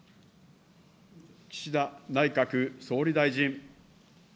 岸田内閣総理大臣。